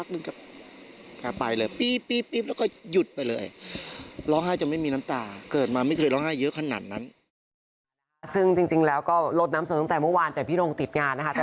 ซึ่งจริงแล้วก็ลดน้ำสนตั้งแต่เมื่อวานแต่พี่โรงติดงานนะคะ